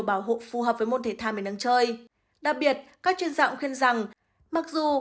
bảo hộ phù hợp với môn thể thao mình đang chơi đặc biệt các chuyên gia khuyên rằng mặc dù